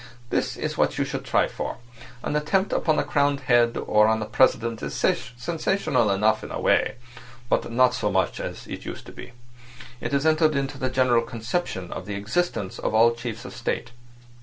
"This is what you should try for. An attempt upon a crowned head or on a president is sensational enough in a way, but not so much as it used to be. It has entered into the general conception of the existence of all chiefs of state.